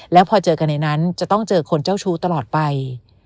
แล้วพอเจอกันในนั้นจะต้องเจอคนเจ้าชู้ตลอดไป